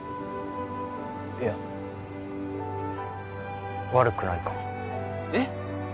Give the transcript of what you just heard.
いや悪くないかもえっ？